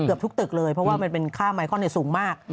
เกือบทุกตึกเลยเพราะว่ามันเป็นค่าไมคอนสูงมาก